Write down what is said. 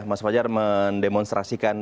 mas fajar mendemonstrasikan